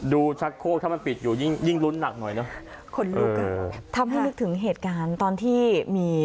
ชักโคกถ้ามันปิดอยู่ยิ่งยิ่งลุ้นหนักหน่อยเนอะขนลุกอ่ะทำให้นึกถึงเหตุการณ์ตอนที่มี